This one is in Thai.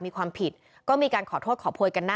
ราคาและได้อย่างเบา